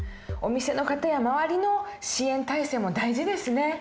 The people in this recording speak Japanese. お店の方や周りの支援体制も大事ですね。